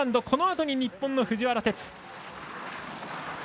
このあとに日本の藤原哲。